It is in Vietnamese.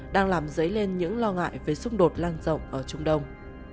đang làm dấy lên những lo ngại về xung đột lan rộng ở trung đông